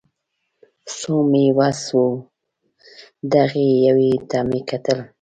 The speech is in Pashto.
څو مې وس و دغې یوې ته مې کتل